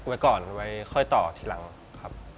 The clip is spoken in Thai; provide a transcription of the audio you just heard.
พักก่อนค่อยต่อทีหลังครับ